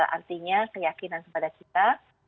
artinya keyakinan kepada kita